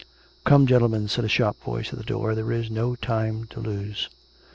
" Come, gentlemen,'' said a sharp voice at the door, " there is no time to lose."